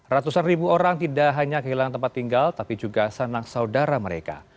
ratusan ribu orang tidak hanya kehilangan tempat tinggal tapi juga sanang saudara mereka